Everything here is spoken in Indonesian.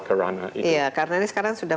ke ranah itu karena ini sekarang sudah